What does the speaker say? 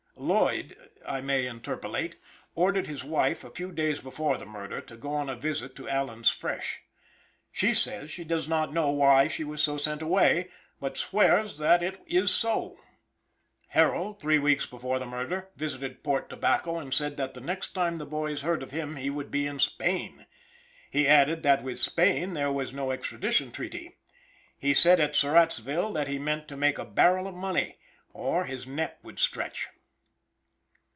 Lloyd, I may interpolate, ordered his wife a few days before the murder to go on a visit to Allen's Fresh. She says she does not know why she was so sent away, but swears that it is so. Harold, three weeks before the murder, visited Port Tobacco, and said that the next time the boys heard of him he would be in Spain; he added that with Spain there was no extradition treaty. He said at Surrattsville that he meant to make a barrel of money, or his neck would stretch.